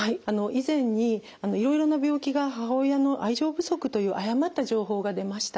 以前にいろいろな病気が母親の愛情不足という誤った情報が出ました。